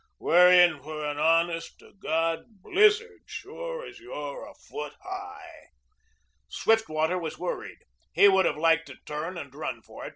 We're in for an honest to God blizzard, sure as you're a foot high." Swiftwater was worried. He would have liked to turn and run for it.